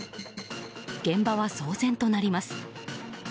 現場は騒然となります。